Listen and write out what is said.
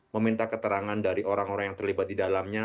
meminta keterangan dari orang orang yang terlibat di dalamnya